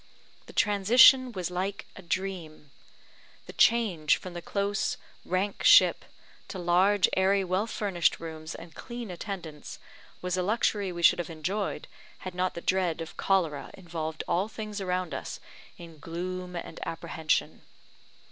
The transition was like a dream. The change from the close, rank ship, to large, airy, well furnished rooms and clean attendants, was a luxury we should have enjoyed had not the dread of cholera involved all things around us in gloom and apprehension.